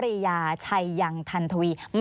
มีความรู้สึกว่ามีความรู้สึกว่า